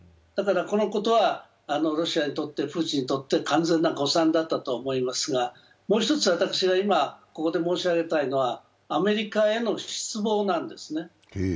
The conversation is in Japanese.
だからこのことはロシアにとってプーチンにとって完全な誤算呉だと思いますがもう一つ私が今ここで申し上げたいのは、アメリカへの失望なんてすね。